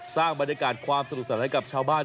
สร้างบรรยากาศความสนุกสนานให้กับชาวบ้าน